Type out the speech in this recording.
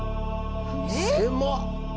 狭っ。